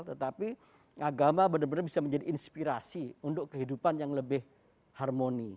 tetapi agama benar benar bisa menjadi inspirasi untuk kehidupan yang lebih harmoni